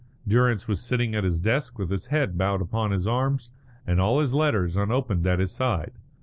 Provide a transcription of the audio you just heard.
Durrance was sitting at his desk with his head bowed upon his arms and all his letters unopened at his side.